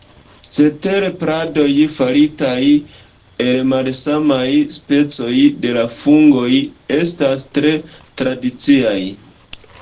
Cetere, pladoj faritaj el malsamaj specoj de fungoj estas tre tradiciaj.